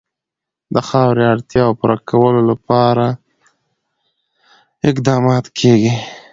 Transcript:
د خاورې د اړتیاوو پوره کولو لپاره پوره اقدامات کېږي.